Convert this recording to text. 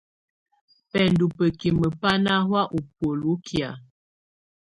Bɛndɔ̀ bǝ́kimǝ́ bá nà hɔ̀á ù bùóli kɛ̀á.